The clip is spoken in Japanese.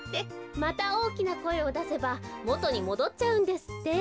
またおおきなこえをだせばもとにもどっちゃうんですって。